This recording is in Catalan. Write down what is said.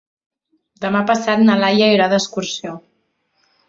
Demà passat na Laia irà d'excursió.